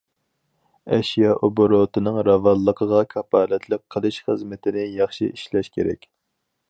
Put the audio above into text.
ئەشيا ئوبوروتىنىڭ راۋانلىقىغا كاپالەتلىك قىلىش خىزمىتىنى ياخشى ئىشلەش كېرەك.